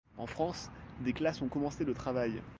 En France, des classes ont commencé le travail.